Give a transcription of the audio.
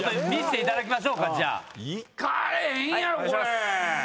行きます！